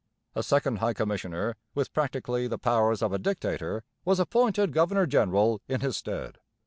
A second High Commissioner, with practically the powers of a dictator, was appointed governor general in his stead.